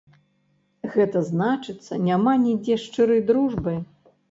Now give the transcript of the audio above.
Гэта значыцца, няма нідзе шчырай дружбы?